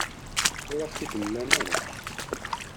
Ur aɣ-ten-id-mlan ara.